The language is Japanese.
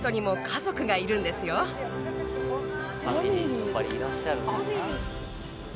やっぱりいらっしゃるんだ。